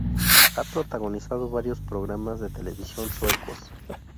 Ha protagonizado varios programas de televisión suecos.